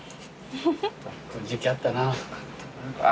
この時期あったなあ。